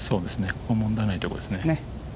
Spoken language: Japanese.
問題ないところですね。